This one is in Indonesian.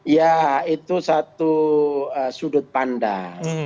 ya itu satu sudut pandang